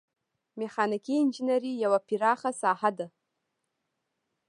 میخانیکي انجنیری یوه پراخه ساحه ده.